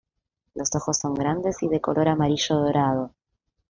Los ojos son grandes y de color amarillo dorado.